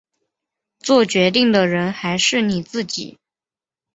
作决定的人还是你自己